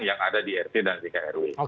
yang ada di rt dan di krw